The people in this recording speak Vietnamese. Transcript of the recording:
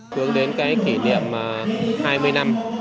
chuyên đến kỷ niệm hai mươi năm